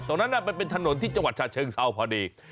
ตรงนั้นมันเป็นถนนที่จังหวัดชาชเชิงเซาเฉพาะดี